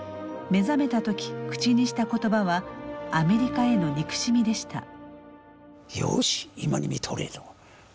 目覚めた時口にした言葉はアメリカへの憎しみでした。